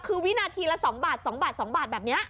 คือวินาทีละ๒บาทแบบนี้